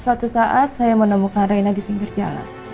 suatu saat saya menemukan reina di pinggir jalan